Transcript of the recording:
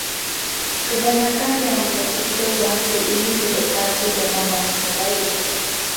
Kebanyakan yang bertutur bahasa ini turut fasih dalam bahasa lain